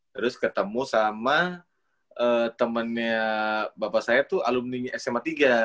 terus ketemu sama temannya bapak saya tuh alumni sma tiga